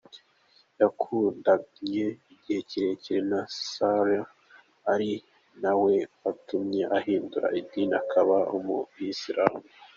Yakundanye igihe kirekire na Saleh ari na we watumye ahindura idini akaba umuyisilamu.